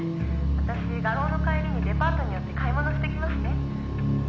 「私画廊の帰りにデパートに寄って買い物してきますね」